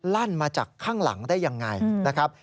ลั่นมาจากข้างหลังได้ยังไงนะครับ